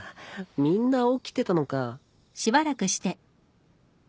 みんな起きてたのか。